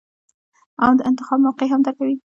او د انتخاب موقع هم درکوي -